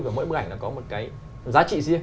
và mỗi bức ảnh nó có một cái giá trị riêng